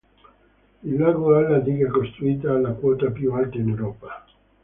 Il lago ha la diga costruita alla quota più alta in Europa.